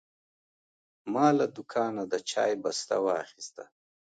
ما له دوکانه د چای بسته واخیسته.